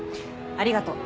ありがとう。